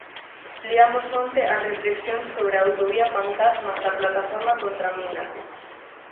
Liamos onte as reflexións sobre a autovía pantasma da plataforma Contramínate.